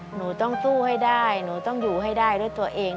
หนูต้องสู้ให้ได้หนูต้องอยู่ให้ได้ด้วยตัวเอง